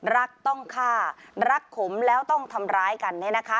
รักต้องฆ่ารักขมแล้วต้องทำร้ายกันเนี่ยนะคะ